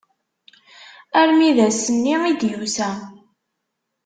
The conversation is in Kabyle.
Armi d ass-nni i d-yusa.